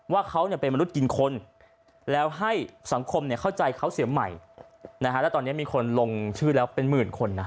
ว่าเขาเป็นมนุษย์กินคนแล้วให้สังคมเข้าใจเขาเสียใหม่แล้วตอนนี้มีคนลงชื่อแล้วเป็นหมื่นคนนะ